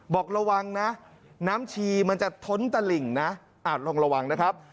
บอกระวังนะน้ำชีมันจะท้นตะหลิ่งนะอาจลองระวังนะครับ